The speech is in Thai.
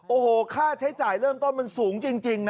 โอ้โหค่าใช้จ่ายเริ่มต้นมันสูงจริงนะ